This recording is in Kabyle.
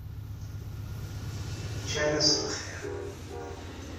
Ččan-as lxir.